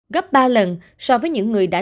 gấp ba lần